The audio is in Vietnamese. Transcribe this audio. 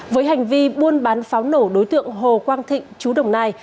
với hành vi buôn bán pháo nổ đối tượng hồ quang thịnh chú đồng nai